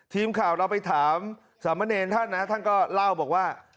ทีมข่าวเราไปถามสามเณรท่านนะท่านก็เล่าบอกว่า